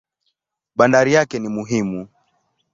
Bandari yake ni muhimu.